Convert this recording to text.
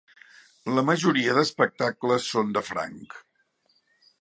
La majoria d’espectacles són de franc.